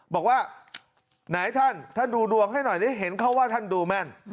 บอกว่าไหนท่านท่านดูดวงให้หน่อยได้เห็นเขาว่าท่านดูแม่น